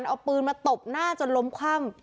แล้วเอาปืนมาตบหน้าจนล้มข้ำ